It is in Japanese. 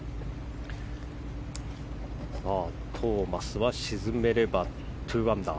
トーマスは沈めれば２アンダー。